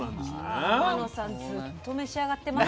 天野さんずっと召し上がってます。